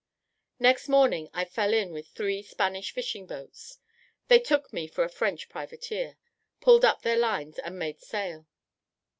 Next morning I fell in with three Spanish fishing boats. They took me for a French privateer, pulled up their lines, and made sail.